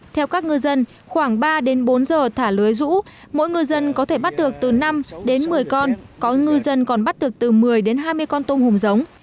theo các ngư dân khoảng ba đến bốn giờ thả lưới rũ mỗi ngư dân có thể bắt được từ năm đến một mươi con có ngư dân còn bắt được từ một mươi đến hai mươi con tôm hùm giống